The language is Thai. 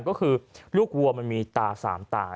ก็คือลูกวัวมันมีตา๓ตา